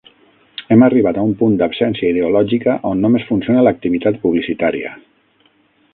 Hem arribat a un punt d'absència ideològica on només funciona l'activitat publicitària.